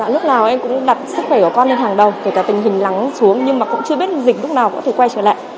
lúc nào em cũng đặt sức khỏe của con lên hàng đầu tình hình lắng xuống nhưng cũng chưa biết dịch lúc nào có thể quay trở lại